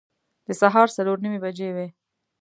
د سهار څلور نیمې بجې وې.